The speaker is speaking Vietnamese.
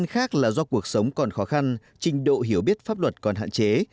khác là do cuộc sống còn khó khăn trình độ hiểu biết pháp luật còn hạn chế